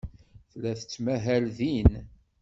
Tella tettmahal din.